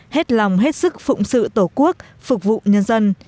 hết lòng hết sức phụng sự tổ quốc phục vụ nhân dân